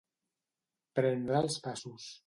Prendre els passos.